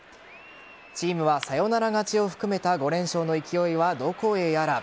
チームは、サヨナラ勝ちを含めた５連勝の勢いはどこへやら。